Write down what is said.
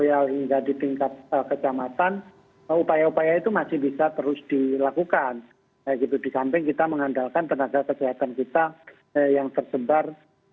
yang tersebar juga di seluruh tanah air melalui jaringan puskesmas